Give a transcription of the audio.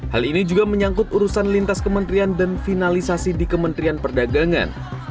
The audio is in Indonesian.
hal ini juga menyangkut urusan lintas kementerian dan finalisasi di kementerian perdagangan